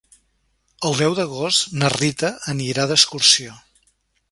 El deu d'agost na Rita anirà d'excursió.